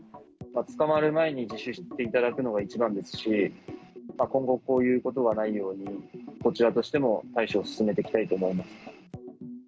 捕まる前に自首していただくのが一番ですし、今後、こういうことがないように、こちらとしても対処を進めていきたいと思います。